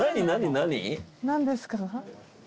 何ですか？